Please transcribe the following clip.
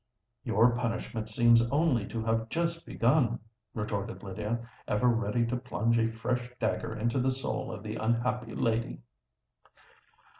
"Your punishment seems only to have just begun," retorted Lydia, ever ready to plunge a fresh dagger into the soul of the unhappy lady.